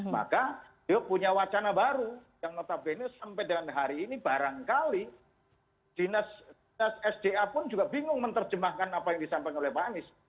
maka dia punya wacana baru yang notabene sampai dengan hari ini barangkali dinas sda pun juga bingung menerjemahkan apa yang disampaikan oleh pak anies